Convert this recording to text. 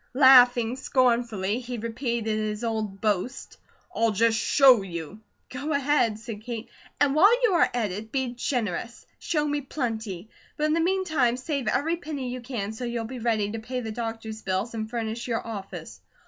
Laughing scornfully, he repeated his old boast: "I'll just show you!" "Go ahead," said Kate. "And while you are at it, be generous. Show me plenty. But in the meantime, save every penny you can, so you'll be ready to pay the doctor's bills and furnish your office."